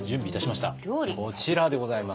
こちらでございます。